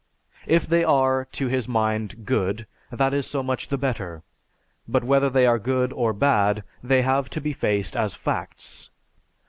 "If they are, to his mind, good, that is so much the better. But whether they are good or bad they have to be faced as facts.